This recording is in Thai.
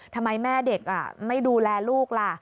ทำไมแม่เด็กไม่ดูแลลูกล่ะ